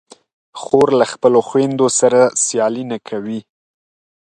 خور له خپلو خویندو سره سیالي نه کوي.